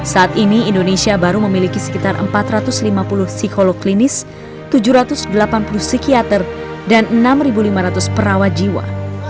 saat ini indonesia baru memiliki sekitar empat ratus lima puluh psikolog klinis tujuh ratus delapan puluh psikiater dan enam lima ratus perawat jiwa